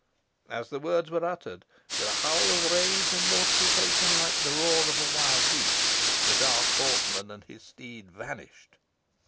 As the words were uttered, with a howl of rage and mortification, like the roar of a wild beast, the dark horseman and his steed vanished.